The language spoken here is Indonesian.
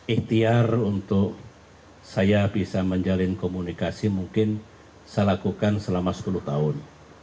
ikhtiar untuk saya bisa menjalin komunikasi mungkin saya lakukan selama sepuluh tahun